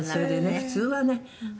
「普通はね